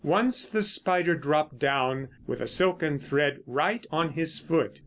Once the spider dropped down with a silken thread right on his foot.